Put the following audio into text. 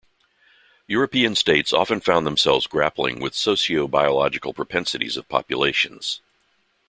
European states often found themselves grappling with sociobiological propensities of populations.